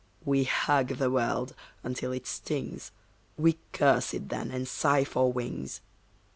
We hug the world until it stings, We curse it then and sigh for wings.